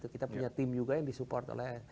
kita punya tim juga yang disupport oleh